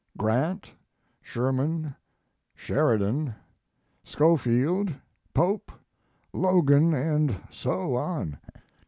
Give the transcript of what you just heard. Grant, Sherman, Sheridan, Schofield, Pope, Logan, and so on.